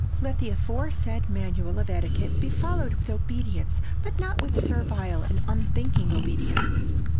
Let the aforesaid manual of etiquette be followed with obedience, but not with servile and unthinking obedience.